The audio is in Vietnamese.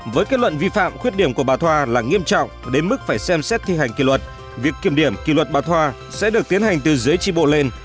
với kết luận vi phạm khuyết điểm của bà thoa là nghiêm trọng đến mức phải xem xét thi hành kỷ luật việc kiểm điểm kỷ luật bà thoa sẽ được tiến hành từ dưới tri bộ lên